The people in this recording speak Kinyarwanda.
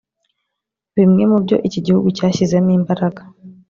Bimwe mu byo iki gihugu cyashyizemo imbaraga